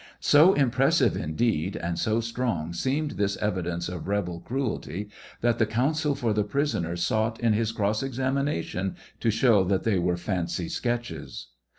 So impressive indeed, and so strong seemed this evidence of rebel cruelty, that the counsel for the prisoner sought, in his cross examination, to show that they were fancy sketches.